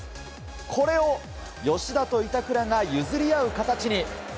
これを吉田と板倉が譲り合う形に。